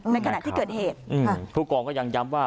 ในขณะที่เกิดเหตุผู้กองก็ยังย้ำว่า